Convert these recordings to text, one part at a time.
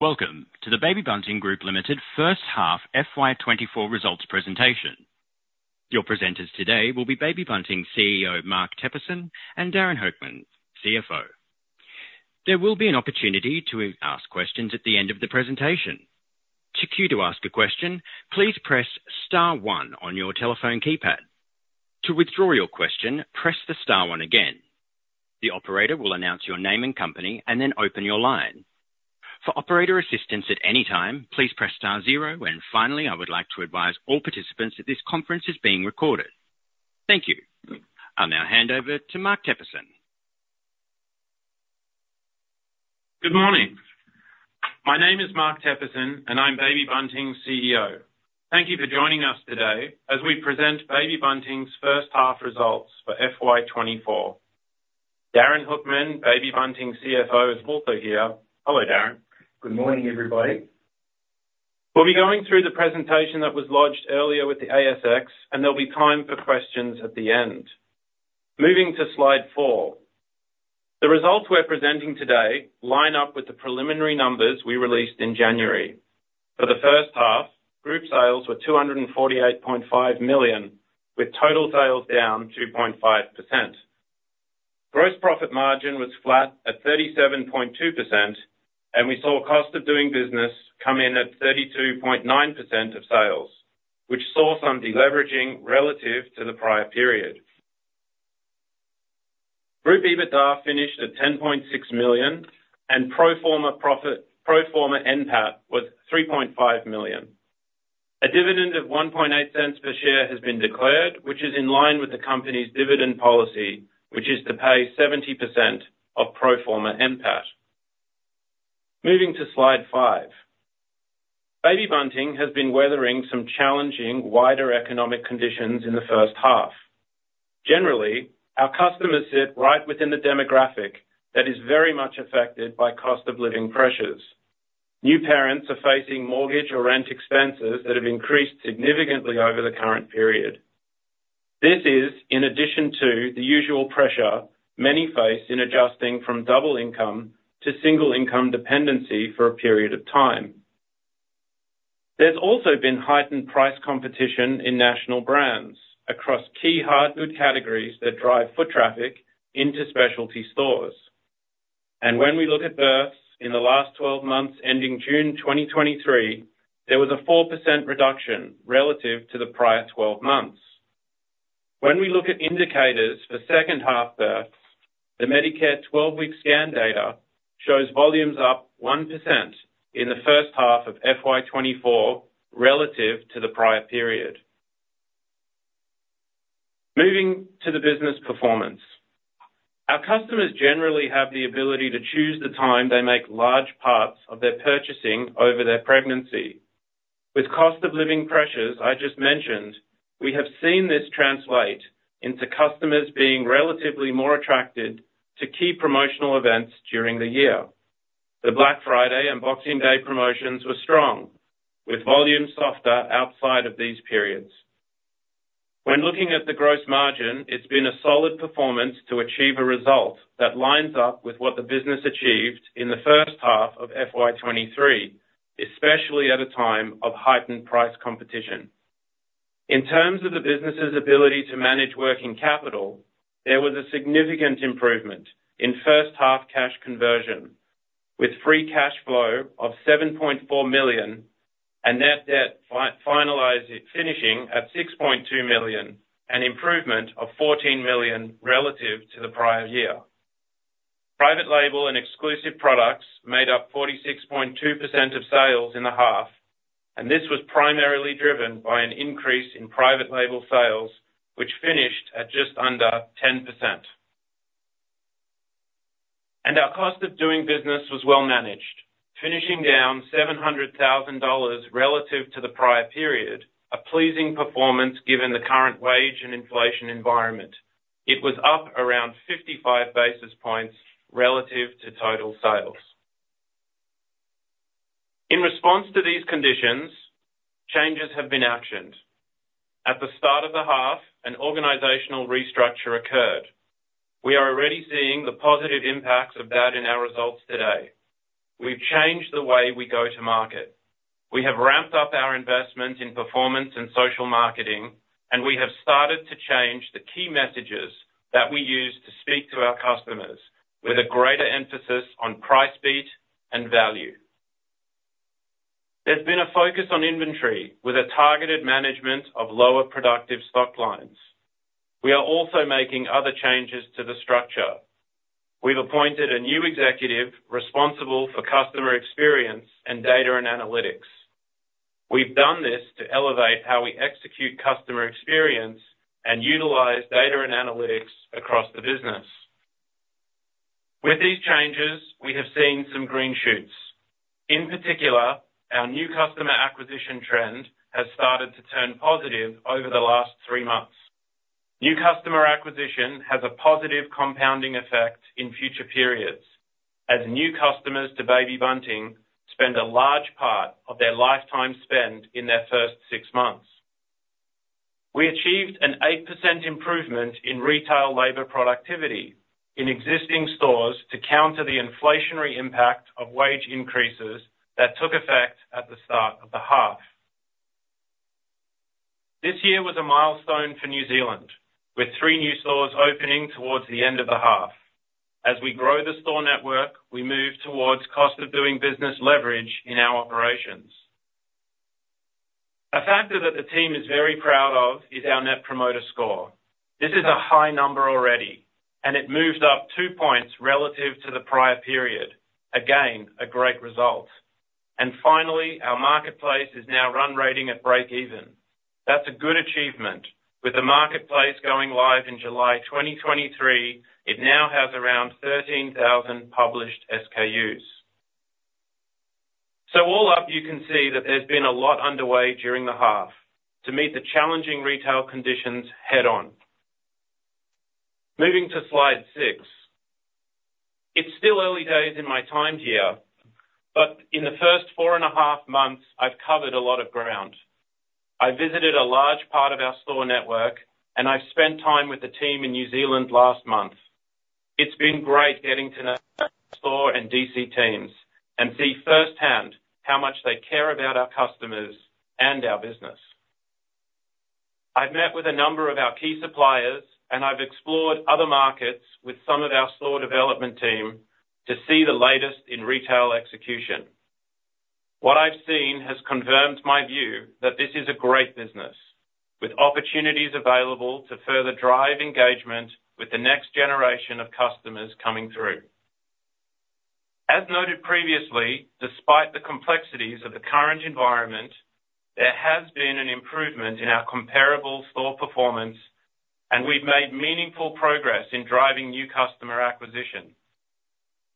Welcome to the Baby Bunting Group Limited First Half FY 2024 Results Presentation. Your presenters today will be Baby Bunting CEO Mark Teperson and Darin Hoekman, CFO. There will be an opportunity to ask questions at the end of the presentation. To queue to ask a question, please press star one on your telephone keypad. To withdraw your question, press star one again. The operator will announce your name and company and then open your line. For operator assistance at any time, please press star zero. And finally, I would like to advise all participants that this conference is being recorded. Thank you. I'll now hand over to Mark Teperson. Good morning. My name is Mark Teperson, and I'm Baby Bunting CEO. Thank you for joining us today as we present Baby Bunting's first half results for FY 2024. Darin Hoekman, Baby Bunting CFO, is also here. Hello, Darin. Good morning, everybody. We'll be going through the presentation that was lodged earlier with the ASX, and there'll be time for questions at the end. Moving to slide four. The results we're presenting today line up with the preliminary numbers we released in January. For the first half, group sales were 248.5 million, with total sales down 2.5%. Gross profit margin was flat at 37.2%, and we saw cost of doing business come in at 32.9% of sales, which saw some deleveraging relative to the prior period. Group EBITDA finished at 10.6 million, and pro forma profit pro forma NPAT was 3.5 million. A dividend of 0.018 per share has been declared, which is in line with the company's dividend policy, which is to pay 70% of pro forma NPAT. Moving to slide five. Baby Bunting has been weathering some challenging wider economic conditions in the first half. Generally, our customers sit right within the demographic that is very much affected by cost of living pressures. New parents are facing mortgage or rent expenses that have increased significantly over the current period. This is, in addition to the usual pressure many face in adjusting from double income to single income dependency for a period of time. There's also been heightened price competition in national brands across key hardgood categories that drive foot traffic into specialty stores. And when we look at births in the last 12 months ending June 2023, there was a 4% reduction relative to the prior 12 months. When we look at indicators for second half births, the Medicare 12-week scan data shows volumes up 1% in the first half of FY 2024 relative to the prior period. Moving to the business performance. Our customers generally have the ability to choose the time they make large parts of their purchasing over their pregnancy. With cost of living pressures I just mentioned, we have seen this translate into customers being relatively more attracted to key promotional events during the year. The Black Friday and Boxing Day promotions were strong, with volumes softer outside of these periods. When looking at the gross margin, it's been a solid performance to achieve a result that lines up with what the business achieved in the first half of FY 2023, especially at a time of heightened price competition. In terms of the business's ability to manage working capital, there was a significant improvement in first half cash conversion, with free cash flow of 7.4 million and net debt finalizing finishing at 6.2 million, an improvement of 14 million relative to the prior year. Private label and exclusive products made up 46.2% of sales in the half, and this was primarily driven by an increase in private label sales, which finished at just under 10%. Our cost of doing business was well managed, finishing down 700,000 dollars relative to the prior period, a pleasing performance given the current wage and inflation environment. It was up around 55 basis points relative to total sales. In response to these conditions, changes have been actioned. At the start of the half, an organizational restructure occurred. We are already seeing the positive impacts of that in our results today. We've changed the way we go to market. We have ramped up our investments in performance and social marketing, and we have started to change the key messages that we use to speak to our customers with a greater emphasis on price beat and value. There's been a focus on inventory with a targeted management of lower productive stock lines. We are also making other changes to the structure. We've appointed a new executive responsible for customer experience and data and analytics. We've done this to elevate how we execute customer experience and utilize data and analytics across the business. With these changes, we have seen some green shoots. In particular, our new customer acquisition trend has started to turn positive over the last three months. New customer acquisition has a positive compounding effect in future periods, as new customers to Baby Bunting spend a large part of their lifetime spend in their first six months. We achieved an 8% improvement in retail labor productivity in existing stores to counter the inflationary impact of wage increases that took effect at the start of the half. This year was a milestone for New Zealand, with three new stores opening towards the end of the half. As we grow the store network, we move towards cost of doing business leverage in our operations. A factor that the team is very proud of is our Net Promoter Score. This is a high number already, and it moved up two points relative to the prior period, again a great result. And finally, our marketplace is now run-rate at break-even. That's a good achievement. With the marketplace going live in July 2023, it now has around 13,000 published SKUs. So all up, you can see that there's been a lot underway during the half to meet the challenging retail conditions head-on. Moving to slide six. It's still early days in my time here, but in the first four and a half months, I've covered a lot of ground. I visited a large part of our store network, and I've spent time with the team in New Zealand last month. It's been great getting to know our store and DC teams and see firsthand how much they care about our customers and our business. I've met with a number of our key suppliers, and I've explored other markets with some of our store development team to see the latest in retail execution. What I've seen has confirmed my view that this is a great business, with opportunities available to further drive engagement with the next generation of customers coming through. As noted previously, despite the complexities of the current environment, there has been an improvement in our comparable store performance, and we've made meaningful progress in driving new customer acquisition.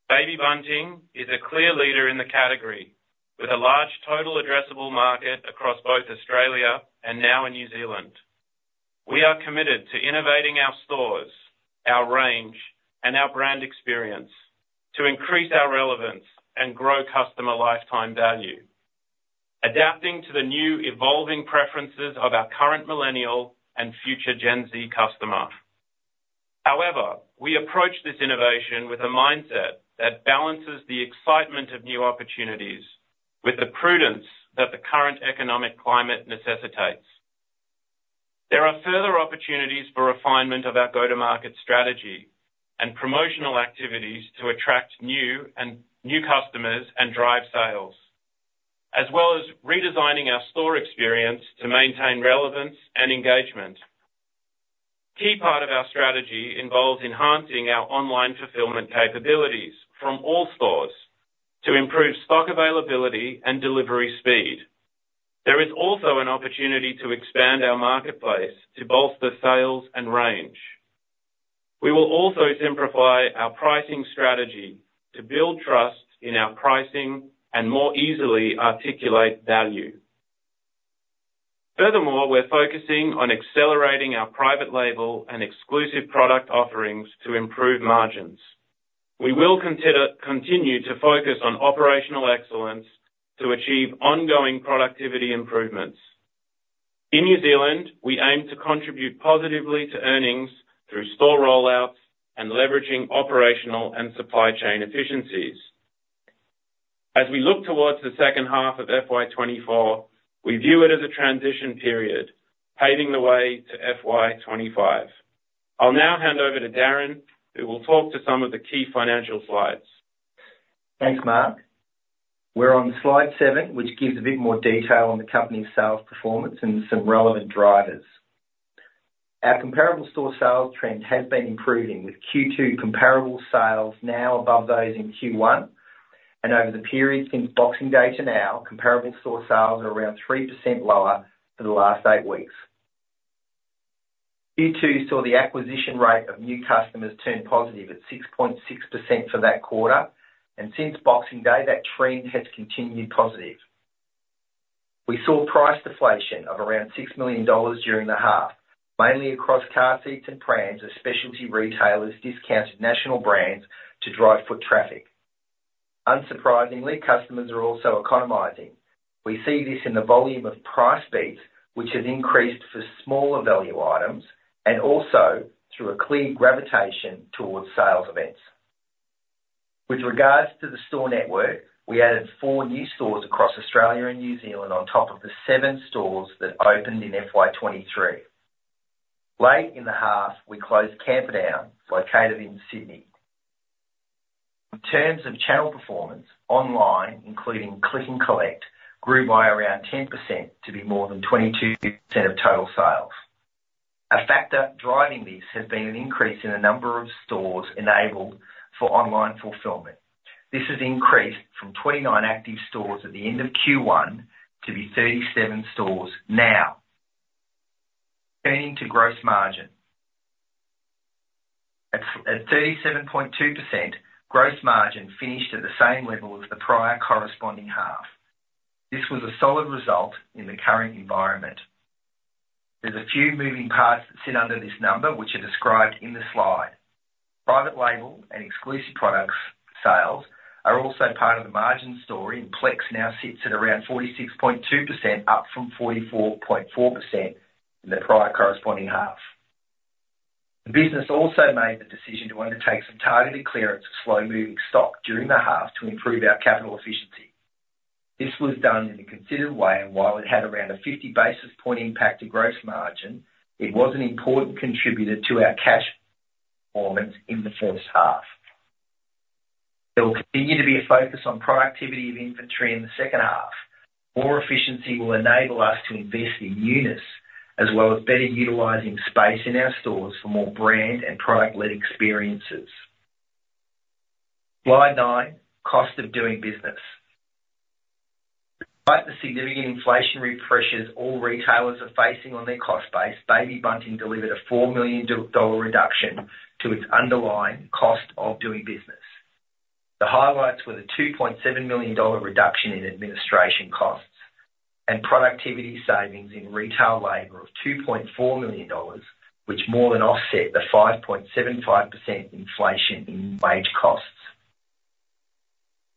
Baby Bunting is a clear leader in the category, with a large total addressable market across both Australia and now in New Zealand. We are committed to innovating our stores, our range, and our brand experience to increase our relevance and grow customer lifetime value, adapting to the new evolving preferences of our current millennial and future Gen Z customer. However, we approach this innovation with a mindset that balances the excitement of new opportunities with the prudence that the current economic climate necessitates. There are further opportunities for refinement of our go-to-market strategy and promotional activities to attract new customers and drive sales, as well as redesigning our store experience to maintain relevance and engagement. Key part of our strategy involves enhancing our online fulfillment capabilities from all stores to improve stock availability and delivery speed. There is also an opportunity to expand our marketplace to bolster sales and range. We will also simplify our pricing strategy to build trust in our pricing and more easily articulate value. Furthermore, we're focusing on accelerating our private label and exclusive product offerings to improve margins. We will continue to focus on operational excellence to achieve ongoing productivity improvements. In New Zealand, we aim to contribute positively to earnings through store rollouts and leveraging operational and supply chain efficiencies. As we look towards the second half of FY 2024, we view it as a transition period paving the way to FY 2025. I'll now hand over to Darin, who will talk to some of the key financial slides. Thanks, Mark. We're on slide seven, which gives a bit more detail on the company's sales performance and some relevant drivers. Our comparable store sales trend has been improving, with Q2 comparable sales now above those in Q1. And over the period since Boxing Day to now, comparable store sales are around 3% lower for the last eight weeks. Q2 saw the acquisition rate of new customers turn positive at 6.6% for that quarter, and since Boxing Day, that trend has continued positive. We saw price deflation of around 6 million dollars during the half, mainly across car seats and prams as specialty retailers discounted national brands to drive foot traffic. Unsurprisingly, customers are also economizing. We see this in the volume of price beats, which has increased for smaller value items and also through a clear gravitation towards sales events. With regards to the store network, we added four new stores across Australia and New Zealand on top of the seven stores that opened in FY 2023. Late in the half, we closed Camperdown, located in Sydney. In terms of channel performance, online, including Click & Collect, grew by around 10% to be more than 22% of total sales. A factor driving this has been an increase in the number of stores enabled for online fulfillment. This has increased from 29 active stores at the end of Q1 to be 37 stores now. Turning to gross margin. At 37.2%, gross margin finished at the same level as the prior corresponding half. This was a solid result in the current environment. There's a few moving parts that sit under this number, which are described in the slide. Private label and exclusive products sales are also part of the margin story, and PLEX now sits at around 46.2%, up from 44.4% in the prior corresponding half. The business also made the decision to undertake some targeted clearance of slow-moving stock during the half to improve our capital efficiency. This was done in a considered way, and while it had around a 50 basis point impact to gross margin, it was an important contributor to our cash performance in the first half. There will continue to be a focus on productivity of inventory in the second half. More efficiency will enable us to invest in units, as well as better utilizing space in our stores for more brand and product-led experiences. Slide nine, cost of doing business. Despite the significant inflationary pressures all retailers are facing on their cost base, Baby Bunting delivered a 4 million dollar reduction to its underlying cost of doing business. The highlights were the 2.7 million dollar reduction in administration costs and productivity savings in retail labor of 2.4 million dollars, which more than offset the 5.75% inflation in wage costs.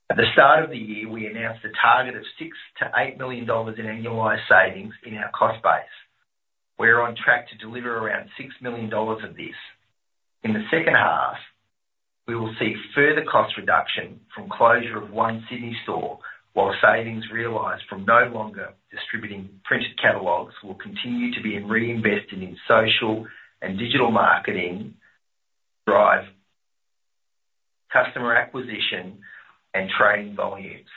At the start of the year, we announced a target of 6 million-8 million dollars in annualized savings in our cost base. We're on track to deliver around 6 million dollars of this. In the second half, we will see further cost reduction from closure of one Sydney store, while savings realised from no longer distributing printed catalogues will continue to be reinvested in social and digital marketing to drive customer acquisition and training volumes.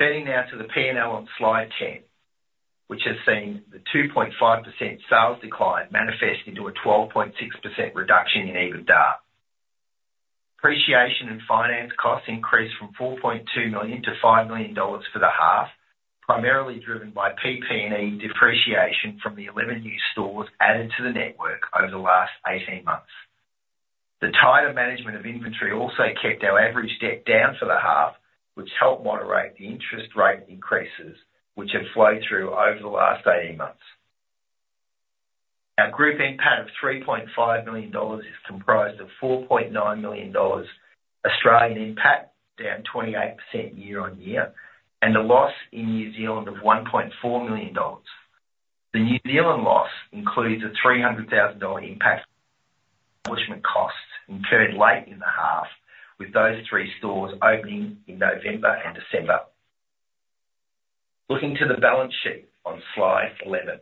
Turning now to the P&L on slide 10, which has seen the 2.5% sales decline manifest into a 12.6% reduction in EBITDA. Depreciation and finance costs increased from 4.2 million to 5 million dollars for the half, primarily driven by PP&E depreciation from the 11 new stores added to the network over the last 18 months. The tighter management of inventory also kept our average debt down for the half, which helped moderate the interest rate increases, which have flowed through over the last 18 months. Our group EBIT of 3.5 million dollars is comprised of 4.9 million Australian dollars Australian EBIT, down 28% year-on-year, and the loss in New Zealand of 1.4 million dollars. The New Zealand loss includes a 300,000 dollar impact on establishment costs incurred late in the half, with those three stores opening in November and December. Looking to the balance sheet on slide 11.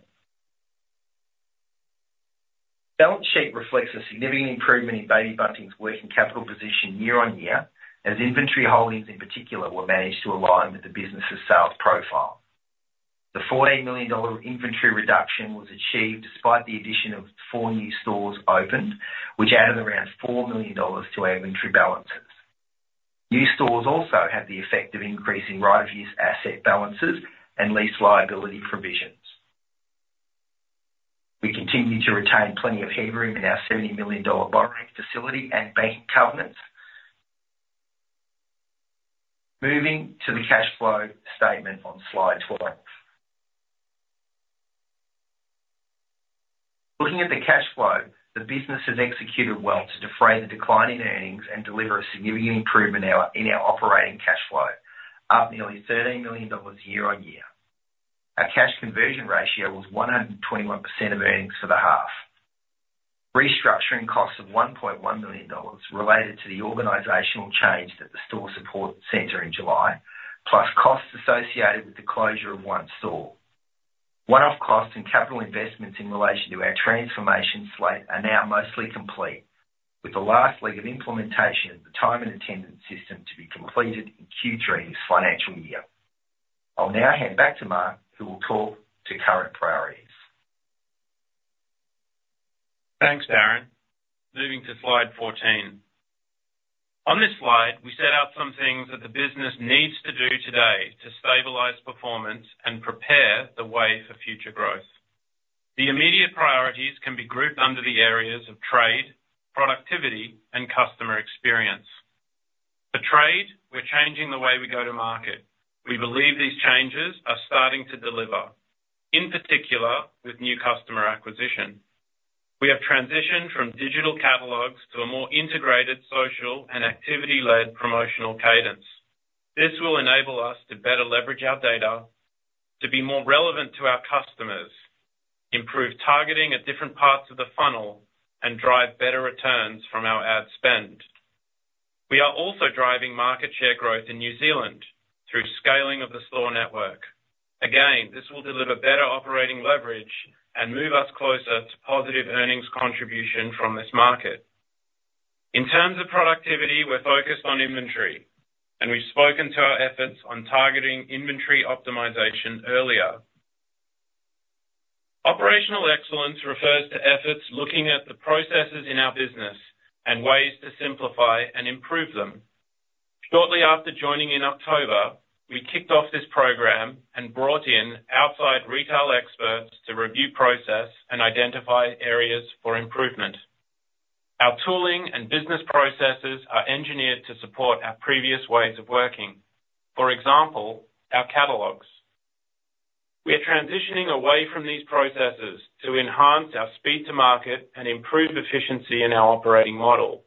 The balance sheet reflects a significant improvement in Baby Bunting's working capital position year-over-year, as inventory holdings in particular were managed to align with the business's sales profile. The 40 million dollar inventory reduction was achieved despite the addition of four new stores opened, which added around 4 million dollars to our inventory balances. New stores also had the effect of increasing right-of-use asset balances and lease liability provisions. We continue to retain plenty of headroom in our 70 million dollar borrowing facility and banking covenants. Moving to the cash flow statement on slide 12. Looking at the cash flow, the business has executed well to defray the decline in earnings and deliver a significant improvement in our operating cash flow, up nearly 13 million dollars year-over-year. Our cash conversion ratio was 121% of earnings for the half. Restructuring costs of 1.1 million dollars related to the organizational change at the store support center in July, plus costs associated with the closure of one store. One-off costs and capital investments in relation to our transformation slate are now mostly complete, with the last leg of implementation of the time and attendance system to be completed in Q3 this financial year. I'll now hand back to Mark, who will talk to current priorities. Thanks, Darin. Moving to slide 14. On this slide, we set out some things that the business needs to do today to stabilize performance and prepare the way for future growth. The immediate priorities can be grouped under the areas of trade, productivity, and customer experience. For trade, we're changing the way we go to market. We believe these changes are starting to deliver, in particular with new customer acquisition. We have transitioned from digital catalogs to a more integrated social and activity-led promotional cadence. This will enable us to better leverage our data, to be more relevant to our customers, improve targeting at different parts of the funnel, and drive better returns from our ad spend. We are also driving market share growth in New Zealand through scaling of the store network. Again, this will deliver better operating leverage and move us closer to positive earnings contribution from this market. In terms of productivity, we're focused on inventory, and we've spoken to our efforts on targeting inventory optimization earlier. Operational excellence refers to efforts looking at the processes in our business and ways to simplify and improve them. Shortly after joining in October, we kicked off this program and brought in outside retail experts to review process and identify areas for improvement. Our tooling and business processes are engineered to support our previous ways of working. For example, our catalogs. We are transitioning away from these processes to enhance our speed to market and improve efficiency in our operating model.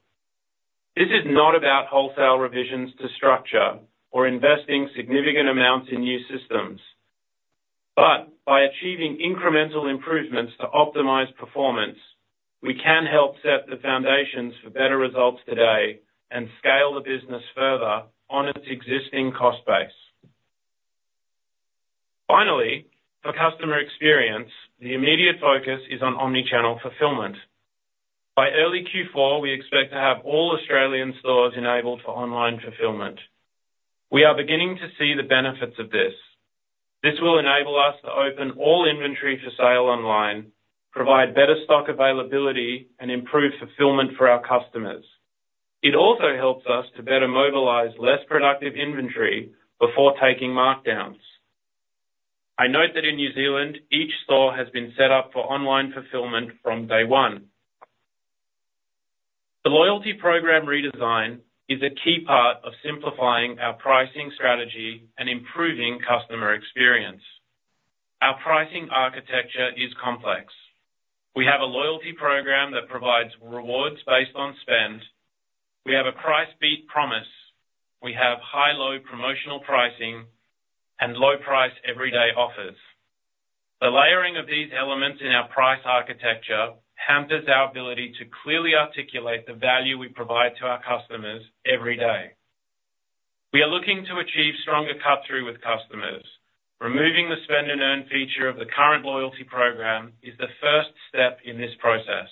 This is not about wholesale revisions to structure or investing significant amounts in new systems. But by achieving incremental improvements to optimize performance, we can help set the foundations for better results today and scale the business further on its existing cost base. Finally, for customer experience, the immediate focus is on omnichannel fulfillment. By early Q4, we expect to have all Australian stores enabled for online fulfillment. We are beginning to see the benefits of this. This will enable us to open all inventory for sale online, provide better stock availability, and improve fulfillment for our customers. It also helps us to better mobilize less productive inventory before taking markdowns. I note that in New Zealand, each store has been set up for online fulfillment from day one. The loyalty program redesign is a key part of simplifying our pricing strategy and improving customer experience. Our pricing architecture is complex. We have a loyalty program that provides rewards based on spend. We have a Price Beat Promise. We have high-low promotional pricing and low-price everyday offers. The layering of these elements in our price architecture hampers our ability to clearly articulate the value we provide to our customers every day. We are looking to achieve stronger cut-through with customers. Removing the spend-and-earn feature of the current loyalty program is the first step in this process.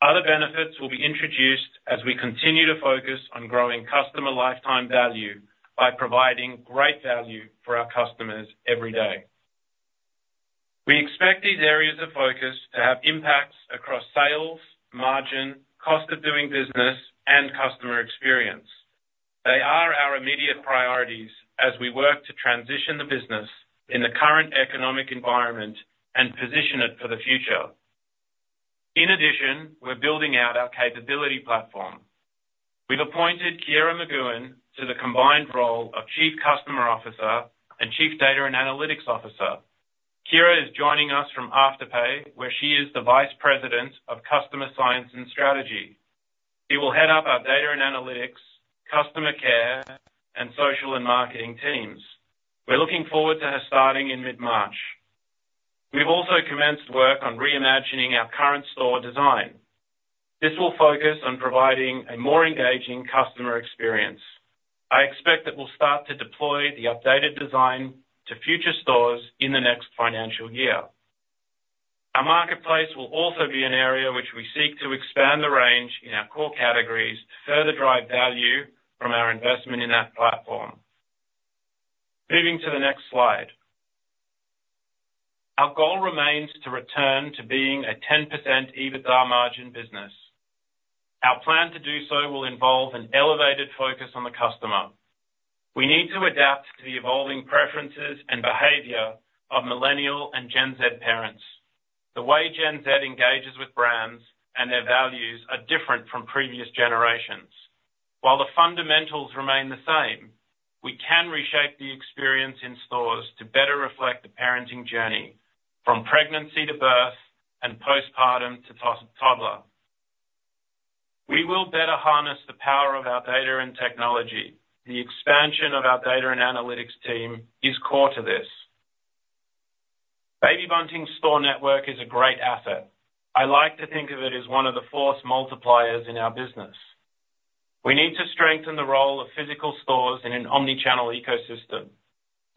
Other benefits will be introduced as we continue to focus on growing customer lifetime value by providing great value for our customers every day. We expect these areas of focus to have impacts across sales, margin, cost of doing business, and customer experience. They are our immediate priorities as we work to transition the business in the current economic environment and position it for the future. In addition, we're building out our capability platform. We've appointed Keira McGowan to the combined role of Chief Customer Officer and Chief Data and Analytics Officer. Keira is joining us from Afterpay, where she is the Vice President of Customer Science and Strategy. She will head up our data and analytics, customer care, and social and marketing teams. We're looking forward to her starting in mid-March. We've also commenced work on reimagining our current store design. This will focus on providing a more engaging customer experience. I expect that we'll start to deploy the updated design to future stores in the next financial year. Our marketplace will also be an area which we seek to expand the range in our core categories to further drive value from our investment in that platform. Moving to the next slide. Our goal remains to return to being a 10% EBITDA margin business. Our plan to do so will involve an elevated focus on the customer. We need to adapt to the evolving preferences and behavior of millennial and Gen Z parents. The way Gen Z engages with brands and their values are different from previous generations. While the fundamentals remain the same, we can reshape the experience in stores to better reflect the parenting journey from pregnancy to birth and postpartum to toddler. We will better harness the power of our data and technology. The expansion of our data and analytics team is core to this. Baby Bunting's store network is a great asset. I like to think of it as one of the force multipliers in our business. We need to strengthen the role of physical stores in an omnichannel ecosystem.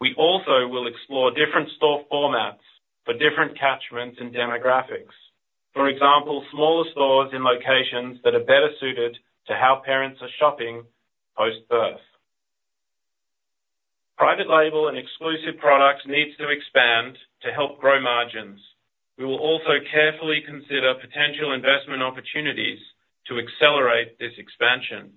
We also will explore different store formats for different catchments and demographics. For example, smaller stores in locations that are better suited to how parents are shopping post-birth. Private label and exclusive products need to expand to help grow margins. We will also carefully consider potential investment opportunities to accelerate this expansion.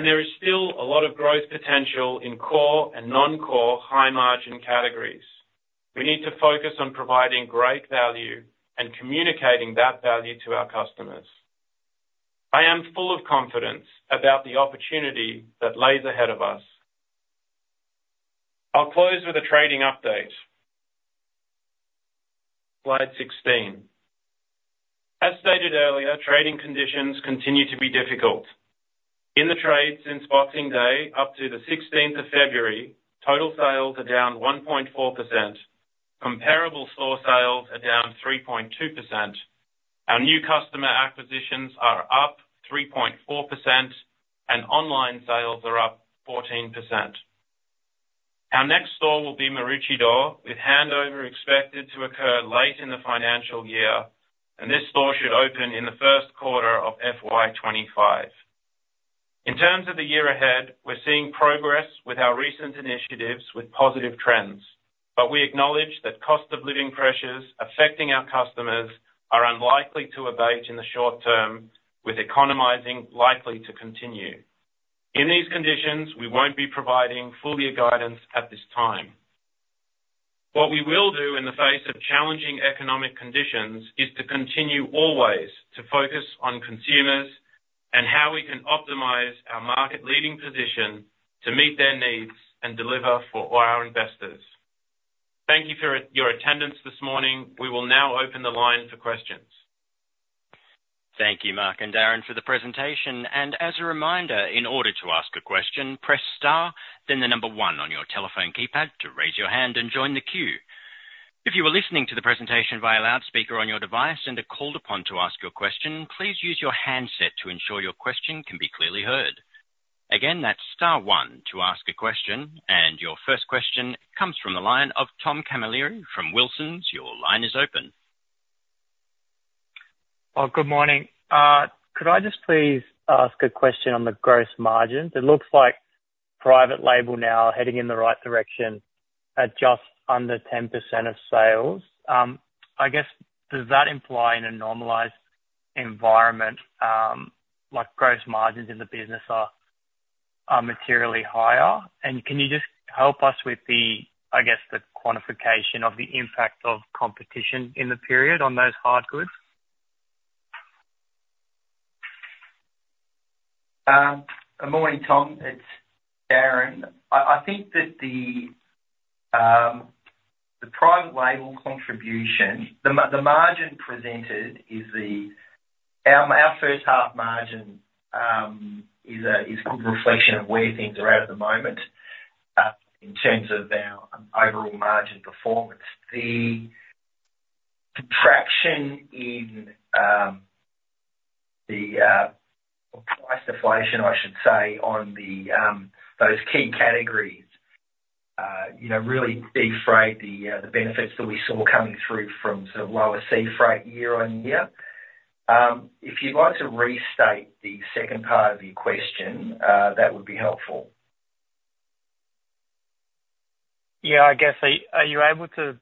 There is still a lot of growth potential in core and non-core high-margin categories. We need to focus on providing great value and communicating that value to our customers. I am full of confidence about the opportunity that lies ahead of us. I'll close with a trading update. Slide 16. As stated earlier, trading conditions continue to be difficult. In the trades since Boxing Day up to the 16th of February, total sales are down 1.4%. Comparable store sales are down 3.2%. Our new customer acquisitions are up 3.4%, and online sales are up 14%. Our next store will be Maroochydore, with handover expected to occur late in the financial year, and this store should open in the first quarter of FY 2025. In terms of the year ahead, we're seeing progress with our recent initiatives with positive trends. But we acknowledge that cost of living pressures affecting our customers are unlikely to abate in the short term, with economizing likely to continue. In these conditions, we won't be providing full-year guidance at this time. What we will do in the face of challenging economic conditions is to continue always to focus on consumers and how we can optimize our market-leading position to meet their needs and deliver for our investors. Thank you for your attendance this morning. We will now open the line for questions. Thank you, Mark and Darin, for the presentation. And as a reminder, in order to ask a question, press star, then the number one on your telephone keypad to raise your hand and join the queue. If you are listening to the presentation via loudspeaker on your device and are called upon to ask your question, please use your handset to ensure your question can be clearly heard. Again, that's star one to ask a question, and your first question comes from the line of Tom Camilleri from Wilsons. Your line is open. Well, good morning. Could I just please ask a question on the gross margins? It looks like private label now heading in the right direction at just under 10% of sales. I guess, does that imply in a normalized environment, gross margins in the business are materially higher? And can you just help us with, I guess, the quantification of the impact of competition in the period on those hard goods? Good morning, Tom. It's Darin. I think that the private label contribution the margin presented is the our first-half margin is a good reflection of where things are at at the moment in terms of our overall margin performance. The contraction in the or price deflation, I should say, on those key categories really defrayed the benefits that we saw coming through from sort of lower sea freight year on year. If you'd like to restate the second part of your question, that would be helpful. Yeah. I guess, are you able to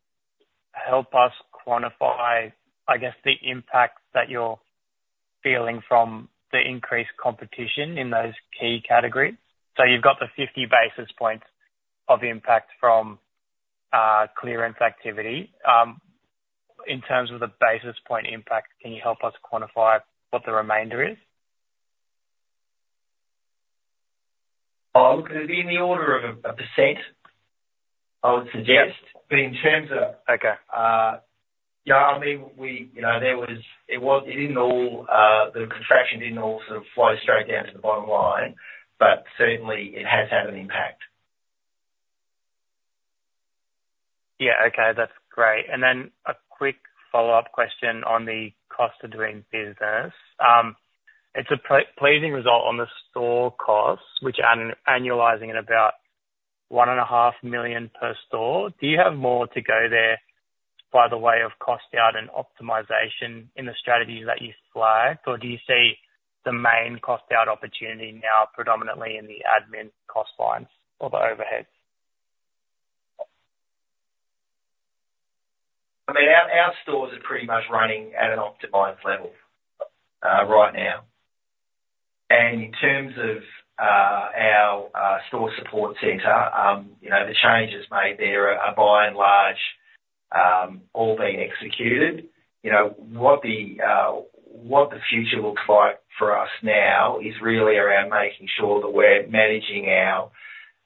help us quantify, I guess, the impact that you're feeling from the increased competition in those key categories? So you've got the 50 basis points of impact from clearance activity. In terms of the basis point impact, can you help us quantify what the remainder is? Oh, could it be in the order of a %, I would suggest? But in terms of, yeah, I mean, the contraction didn't all sort of flow straight down to the bottom line, but certainly, it has had an impact. Yeah. Okay. That's great. And then a quick follow-up question on the cost of doing business. It's a pleasing result on the store costs, which are annualizing at about 1.5 million per store. Do you have more to go there by the way of cost out and optimization in the strategies that you flagged, or do you see the main cost out opportunity now predominantly in the admin cost lines or the overheads? I mean, our stores are pretty much running at an optimized level right now. In terms of our store support center, the changes made there are, by and large, all being executed. What the future looks like for us now is really around making sure that we're managing our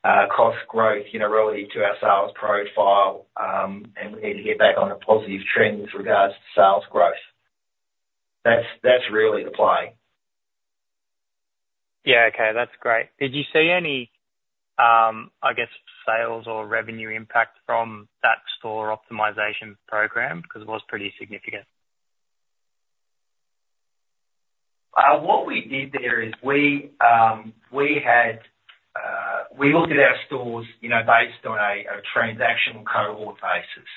cost growth relative to our sales profile, and we need to get back on a positive trend with regards to sales growth. That's really the play. Yeah. Okay. That's great. Did you see any, I guess, sales or revenue impact from that store optimization program? Because it was pretty significant. What we did there is we looked at our stores based on a transactional cohort basis.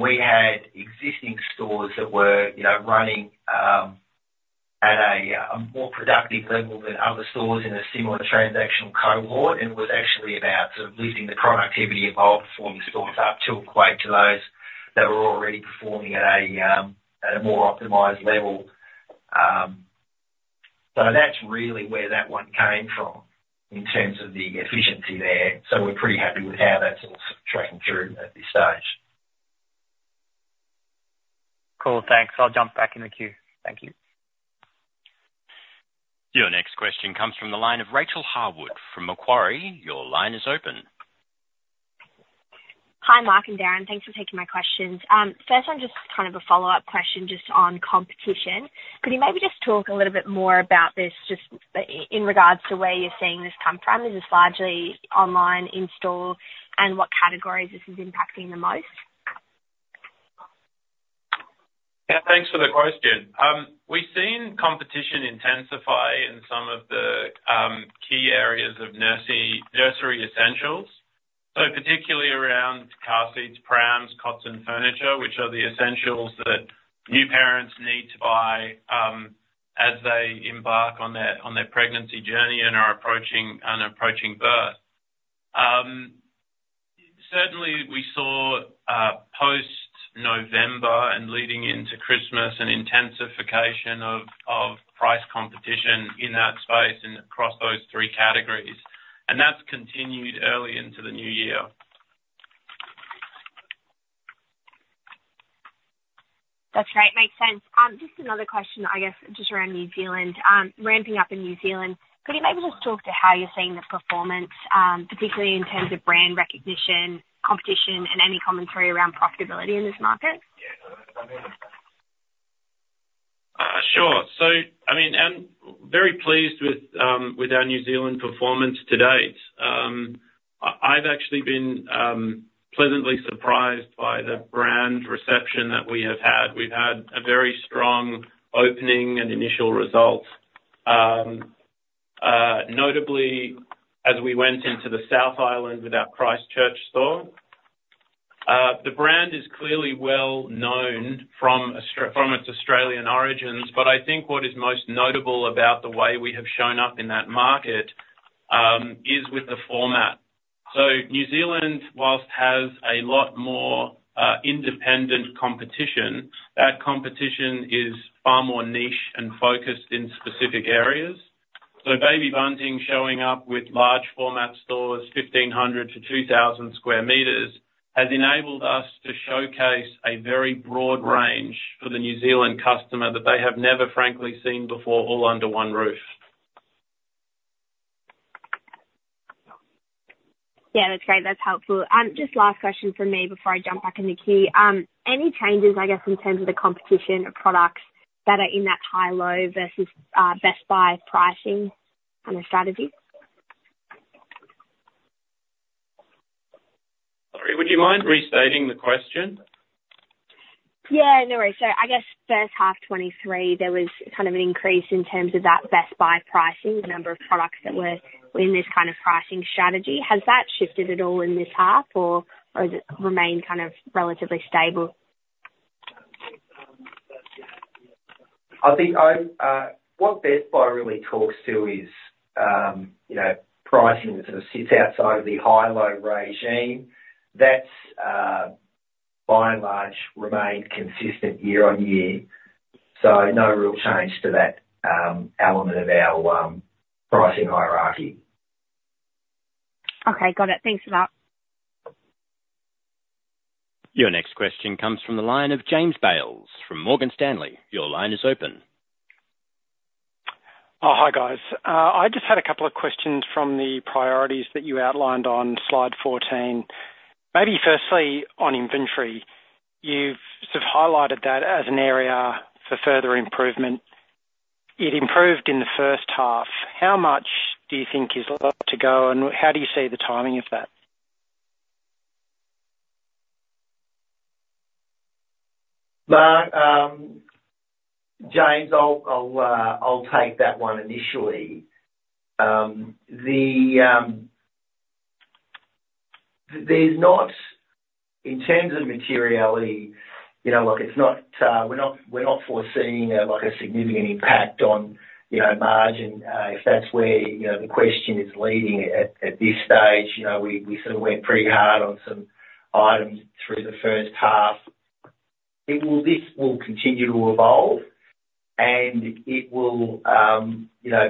We had existing stores that were running at a more productive level than other stores in a similar transactional cohort, and it was actually about sort of lifting the productivity of all performing stores up to equate to those that were already performing at a more optimized level. That's really where that one came from in terms of the efficiency there. We're pretty happy with how that's all sort of tracking through at this stage. Cool. Thanks. I'll jump back in the queue. Thank you. Your next question comes from the line of Rachael Harwood from Macquarie. Your line is open. Hi, Mark and Darin. Thanks for taking my questions. First, I'm just kind of a follow-up question just on competition. Could you maybe just talk a little bit more about this just in regards to where you're seeing this come from? Is this largely online in-store, and what categories is this impacting the most? Yeah. Thanks for the question. We've seen competition intensify in some of the key areas of nursery essentials. So particularly around car seats, prams, cots, and furniture, which are the essentials that new parents need to buy as they embark on their pregnancy journey and are approaching birth. Certainly, we saw post-November and leading into Christmas an intensification of price competition in that space and across those three categories. That's continued early into the new year. That's right. Makes sense. Just another question, I guess, just around New Zealand. Ramping up in New Zealand, could you maybe just talk to how you're seeing the performance, particularly in terms of brand recognition, competition, and any commentary around profitability in this market? Sure. So, I mean, I'm very pleased with our New Zealand performance to date. I've actually been pleasantly surprised by the brand reception that we have had. We've had a very strong opening and initial results, notably as we went into the South Island with our Christchurch store. The brand is clearly well known from its Australian origins, but I think what is most notable about the way we have shown up in that market is with the format. So New Zealand, while has a lot more independent competition, that competition is far more niche and focused in specific areas. So Baby Bunting showing up with large format stores, 1,500-2,000 square meters, has enabled us to showcase a very broad range for the New Zealand customer that they have never, frankly, seen before all under one roof. Yeah. That's great. That's helpful. Just last question from me before I jump back in the queue. Any changes, I guess, in terms of the composition of products that are in that high-low versus Best Buy pricing strategy? Sorry. Would you mind restating the question? Yeah. No worries. So, I guess, first half 2023, there was kind of an increase in terms of that Best Buy pricing, the number of products that were in this kind of pricing strategy. Has that shifted at all in this half, or has it remained kind of relatively stable? I think what Best Buy really talks to is pricing that sort of sits outside of the high-low regime. That's, by and large, remained consistent year on year. So no real change to that element of our pricing hierarchy. Okay. Got it. Thanks for that. Your next question comes from the line of James Bales from Morgan Stanley. Your line is open. Oh, hi, guys. I just had a couple of questions from the priorities that you outlined on slide 14. Maybe firstly, on inventory, you've sort of highlighted that as an area for further improvement. It improved in the first half. How much do you think is left to go, and how do you see the timing of that? James, I'll take that one initially. In terms of materiality, look, we're not foreseeing a significant impact on margin, if that's where the question is leading at this stage. We sort of went pretty hard on some items through the first half. This will continue to evolve, and it will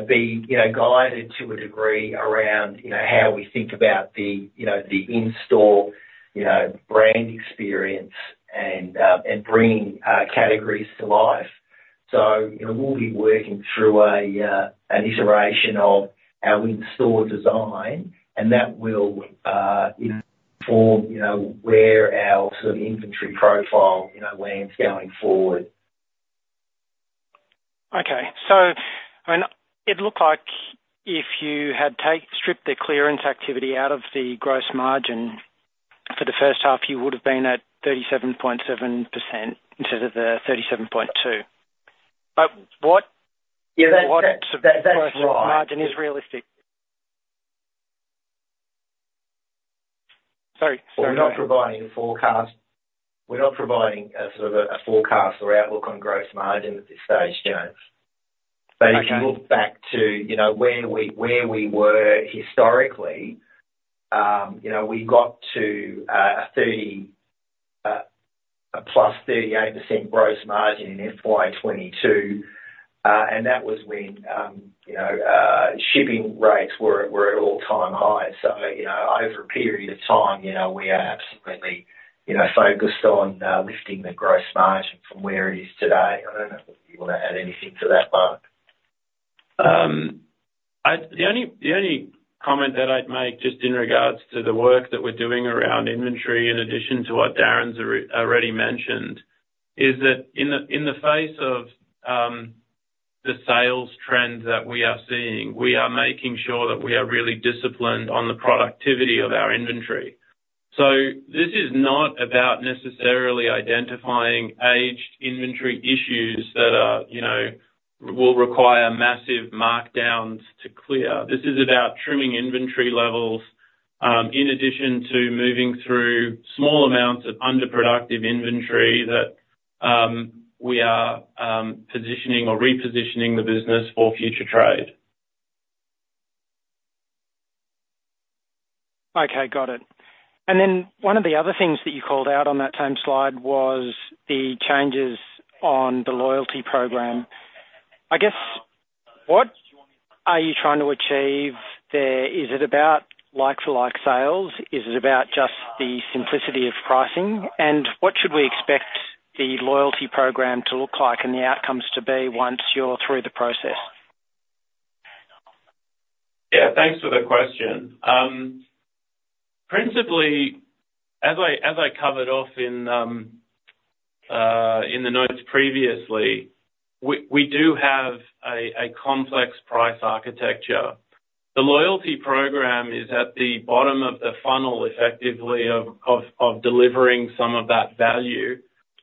be guided to a degree around how we think about the in-store brand experience and bringing categories to life. So we'll be working through an iteration of our in-store design, and that will inform where our sort of inventory profile lands going forward. Okay. So, I mean, it looked like if you had stripped the clearance activity out of the gross margin for the first half, you would have been at 37.7% instead of the 37.2%. But what sort of gross margin is realistic? Sorry. We're not providing a forecast. We're not providing sort of a forecast or outlook on gross margin at this stage, James. But if you look back to where we were historically, we got to a +38% gross margin in FY 2022, and that was when shipping rates were at all-time highs. So over a period of time, we are absolutely focused on lifting the gross margin from where it is today. I don't know if you want to add anything to that, Mark. The only comment that I'd make just in regards to the work that we're doing around inventory, in addition to what Darin's already mentioned, is that in the face of the sales trends that we are seeing, we are making sure that we are really disciplined on the productivity of our inventory. So this is not about necessarily identifying aged inventory issues that will require massive markdowns to clear. This is about trimming inventory levels in addition to moving through small amounts of underproductive inventory that we are positioning or repositioning the business for future trade. Okay. Got it. And then one of the other things that you called out on that same slide was the changes on the loyalty program. I guess, what are you trying to achieve there? Is it about like-for-like sales? Is it about just the simplicity of pricing? And what should we expect the loyalty program to look like and the outcomes to be once you're through the process? Yeah. Thanks for the question. Principally, as I covered off in the notes previously, we do have a complex price architecture. The loyalty program is at the bottom of the funnel, effectively, of delivering some of that value.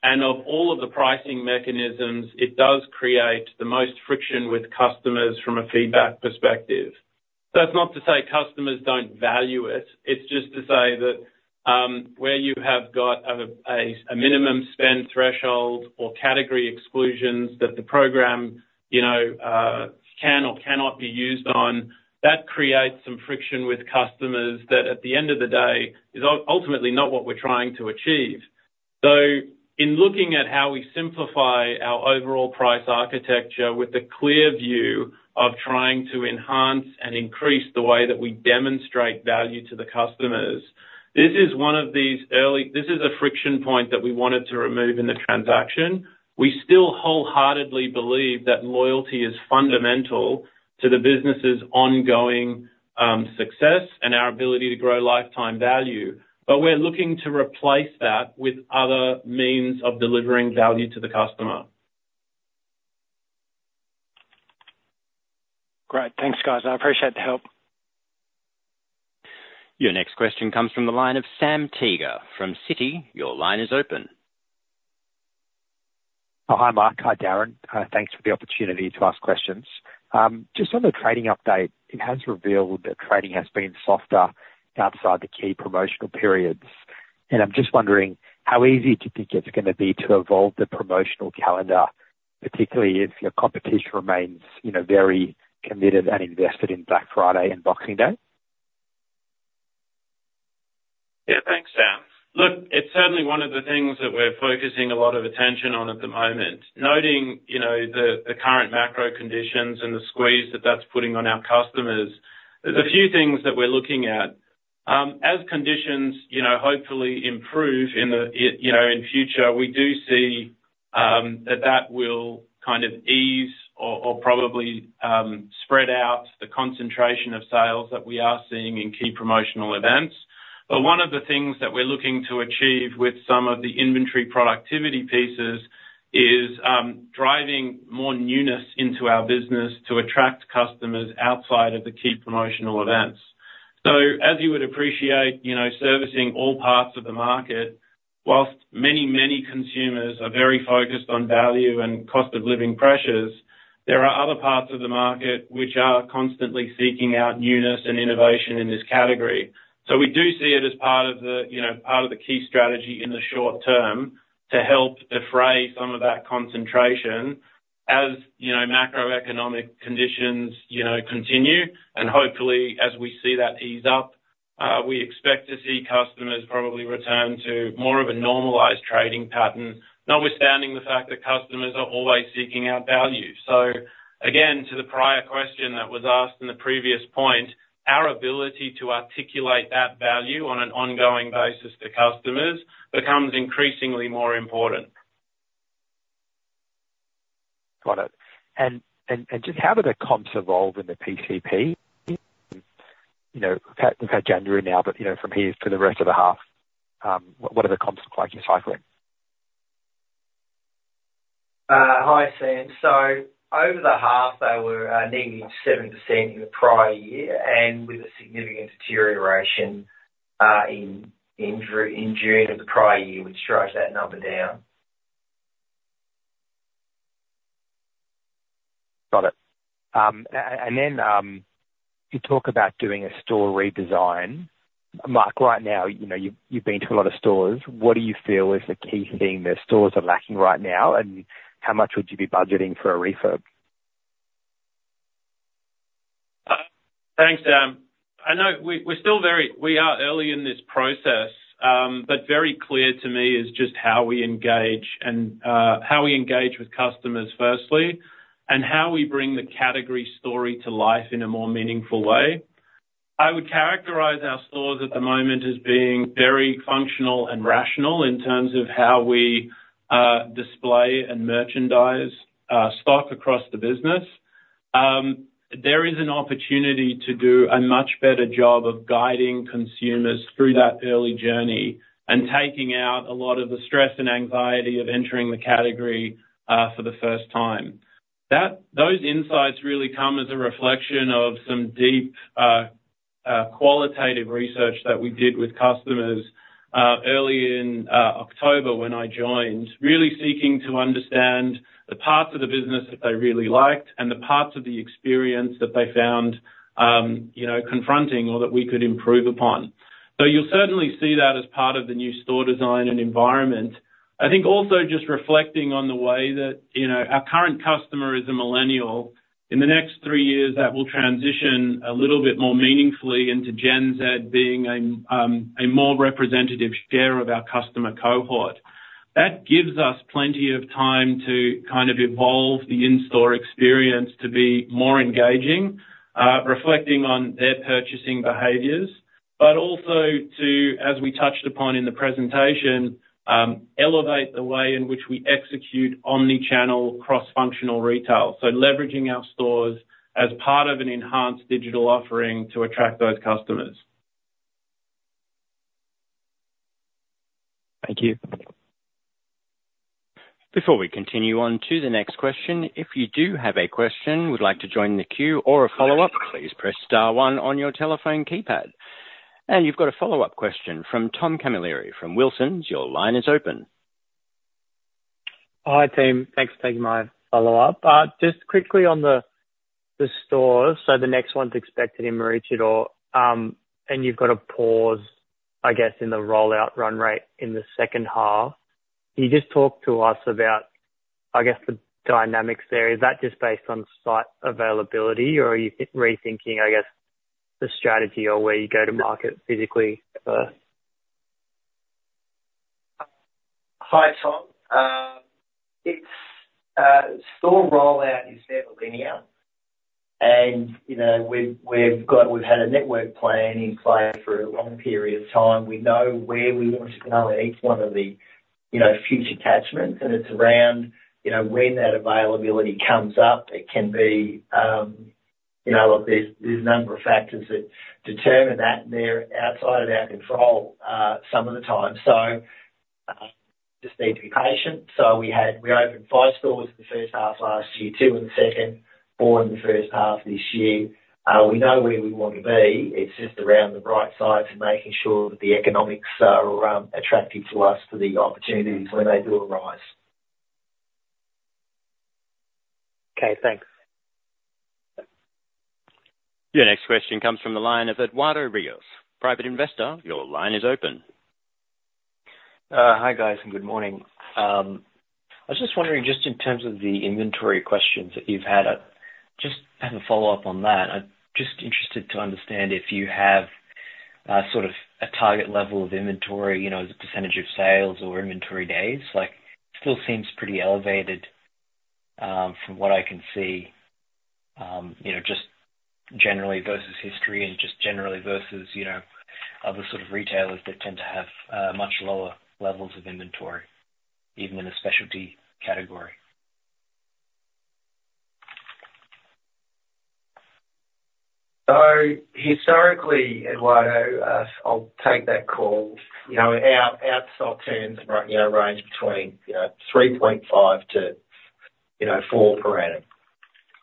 And of all of the pricing mechanisms, it does create the most friction with customers from a feedback perspective. That's not to say customers don't value it. It's just to say that where you have got a minimum spend threshold or category exclusions that the program can or cannot be used on, that creates some friction with customers that, at the end of the day, is ultimately not what we're trying to achieve. So in looking at how we simplify our overall price architecture with the clear view of trying to enhance and increase the way that we demonstrate value to the customers, this is a friction point that we wanted to remove in the transaction. We still wholeheartedly believe that loyalty is fundamental to the business's ongoing success and our ability to grow lifetime value. But we're looking to replace that with other means of delivering value to the customer. Great. Thanks, guys. I appreciate the help. Your next question comes from the line of Sam Teeger from Citi. Your line is open. Hi, Mark. Hi, Darin. Thanks for the opportunity to ask questions. Just on the trading update, it has revealed that trading has been softer outside the key promotional periods. I'm just wondering how easy do you think it's going to be to evolve the promotional calendar, particularly if your competition remains very committed and invested in Black Friday and Boxing Day? Yeah. Thanks, Sam. Look, it's certainly one of the things that we're focusing a lot of attention on at the moment. Noting the current macro conditions and the squeeze that that's putting on our customers, there's a few things that we're looking at. As conditions, hopefully, improve in future, we do see that that will kind of ease or probably spread out the concentration of sales that we are seeing in key promotional events. But one of the things that we're looking to achieve with some of the inventory productivity pieces is driving more newness into our business to attract customers outside of the key promotional events. So as you would appreciate, servicing all parts of the market, whilst many, many consumers are very focused on value and cost-of-living pressures, there are other parts of the market which are constantly seeking out newness and innovation in this category. We do see it as part of the key strategy in the short term to help defray some of that concentration as macroeconomic conditions continue. Hopefully, as we see that ease up, we expect to see customers probably return to more of a normalized trading pattern, notwithstanding the fact that customers are always seeking out value. Again, to the prior question that was asked in the previous point, our ability to articulate that value on an ongoing basis to customers becomes increasingly more important. Got it. And just how do the comps evolve in the PCP? In fact, we've had January now, but from here to the rest of the half, what are the comps look like in cycling? Hi, Sam. So over the half, they were nearly 7% in the prior year and with a significant deterioration in June of the prior year. We've stretched that number down. Got it. Then you talk about doing a store redesign. Mark, right now, you've been to a lot of stores. What do you feel is the key thing that stores are lacking right now, and how much would you be budgeting for a refurb? Thanks, Sam. I know we're still very early in this process, but very clear to me is just how we engage and how we engage with customers, firstly, and how we bring the category story to life in a more meaningful way. I would characterize our stores at the moment as being very functional and rational in terms of how we display and merchandise stock across the business. There is an opportunity to do a much better job of guiding consumers through that early journey and taking out a lot of the stress and anxiety of entering the category for the first time. Those insights really come as a reflection of some deep qualitative research that we did with customers early in October when I joined, really seeking to understand the parts of the business that they really liked and the parts of the experience that they found confronting or that we could improve upon. So you'll certainly see that as part of the new store design and environment. I think also just reflecting on the way that our current customer is a millennial. In the next three years, that will transition a little bit more meaningfully into Gen Z being a more representative share of our customer cohort. That gives us plenty of time to kind of evolve the in-store experience to be more engaging, reflecting on their purchasing behaviors, but also to, as we touched upon in the presentation, elevate the way in which we execute omnichannel cross-functional retail. Leveraging our stores as part of an enhanced digital offering to attract those customers. Thank you. Before we continue on to the next question, if you do have a question, would like to join the queue or a follow-up, please press star one on your telephone keypad. You've got a follow-up question from Tom Camilleri from Wilsons. Your line is open. Hi, Tim. Thanks for taking my follow-up. Just quickly on the stores, so the next one's expected in Maroochydore, and you've got a pause, I guess, in the rollout run rate in the second half. You just talked to us about, I guess, the dynamics there. Is that just based on site availability, or are you rethinking, I guess, the strategy or where you go to market physically first? Hi, Tom. Store rollout is never linear. We've had a network plan in play for a long period of time. We know where we want to go at each one of the future catchments, and it's around when that availability comes up. It can be, look, there's a number of factors that determine that, and they're outside of our control some of the time. We just need to be patient. We opened five stores in the first half last year, two in the second, four in the first half this year. We know where we want to be. It's just around the right size and making sure that the economics are attractive to us for the opportunities when they do arise. Okay. Thanks. Your next question comes from the line of Eduardo Ríos. Private investor, your line is open. Hi, guys, and good morning. I was just wondering, just in terms of the inventory questions that you've had, just as a follow-up on that, I'm just interested to understand if you have sort of a target level of inventory, is it percentage of sales or inventory days? It still seems pretty elevated from what I can see, just generally versus history and just generally versus other sort of retailers that tend to have much lower levels of inventory, even in a specialty category. So historically, Eduardo, I'll take that call. Our stock turns range between 3.5-four per annum.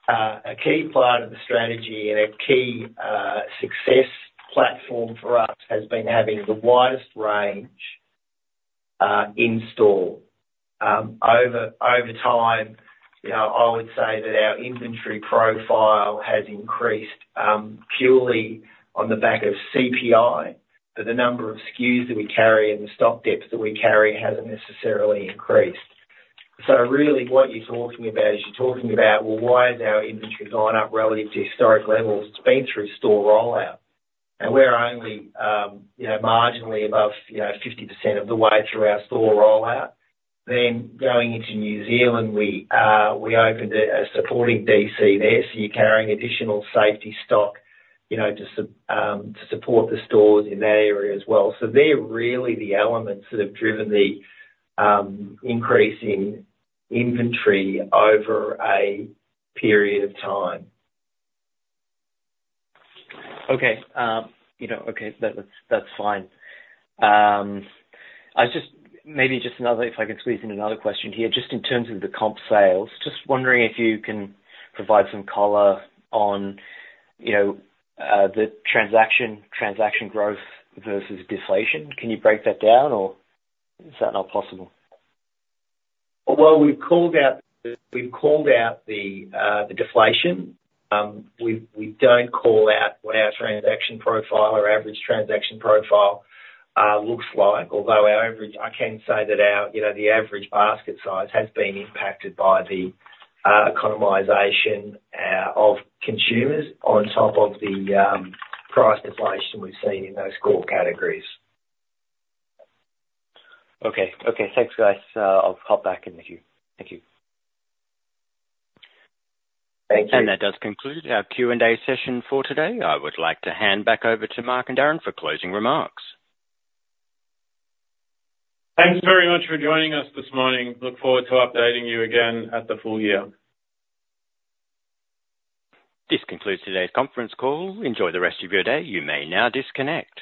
A key part of the strategy and a key success platform for us has been having the widest range in-store. Over time, I would say that our inventory profile has increased purely on the back of CPI, but the number of SKUs that we carry and the stock depth that we carry hasn't necessarily increased. So really, what you're talking about is you're talking about, "Well, why has our inventory gone up relative to historic levels?" It's been through store rollout, and we're only marginally above 50% of the way through our store rollout. Then going into New Zealand, we opened a supporting DC there. So you're carrying additional safety stock to support the stores in that area as well. They're really the elements that have driven the increase in inventory over a period of time. Okay. Okay. That's fine. Maybe just another if I can squeeze in another question here, just in terms of the comp sales, just wondering if you can provide some color on the transaction growth versus deflation. Can you break that down, or is that not possible? Well, we've called out the deflation. We don't call out what our transaction profile or average transaction profile looks like, although I can say that the average basket size has been impacted by the economization of consumers on top of the price deflation we've seen in those core categories. Okay. Okay. Thanks, guys. I'll hop back in with you. Thank you. Thank you. That does conclude our Q&A session for today. I would like to hand back over to Mark and Darin for closing remarks. Thanks very much for joining us this morning. Look forward to updating you again at the full year. This concludes today's conference call. Enjoy the rest of your day. You may now disconnect.